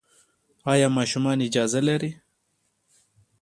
ایا ماشومان اجازه لري؟